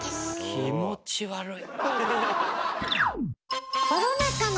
気持ち悪い。